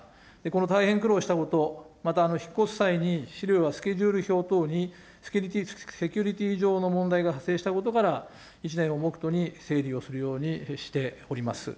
この大変苦労したこと、また引っ越す際に資料はスケジュール表等に、セキュリティー上の問題が発生したことから、１年を目途に整理をするようにしております。